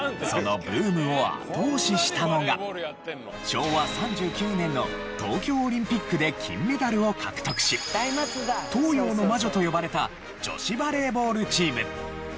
昭和３９年の東京オリンピックで金メダルを獲得し東洋の魔女と呼ばれた女子バレーボールチーム。